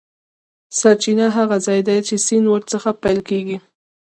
سرچینه هغه ځاي دی چې سیند ور څخه پیل کیږي.